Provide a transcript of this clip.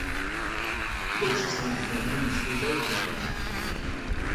Lewis assigns no names to these openings.